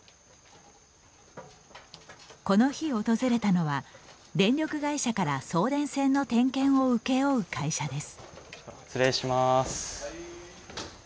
この日訪れたのは電力会社から送電線の点検を請け負う会社です。